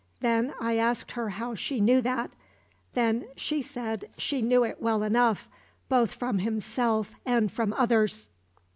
Then I asked her how she knew that. Then she said she knew it well enough, both from himself and from others."